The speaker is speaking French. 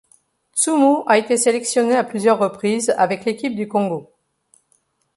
Tsoumou a été sélectionné à plusieurs reprises avec l'équipe du Congo.